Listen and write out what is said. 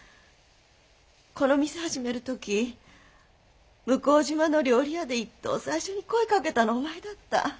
この店始める時向島の料理屋でいっとう最初に声かけたのお前だった。